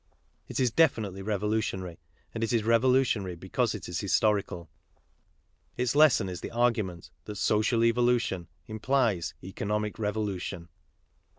It is definitely revolutionary, and it is revolutiohar)' because it is historical. Its lesson is the argument that social evolution implies economic revolution.